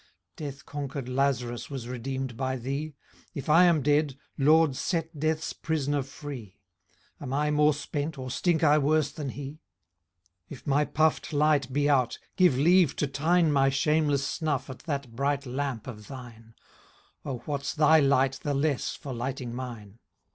Death conquer'd Laz rus was redeem'd by thee ; If I am dead, LORD, set death's pris'ner free ; Am I more spent, or stink I worse than he ? If my puff'd life be out, give leave to tine My shameless snuff at that bright lamp of thine ; O what's thy light the less for light'ning mine?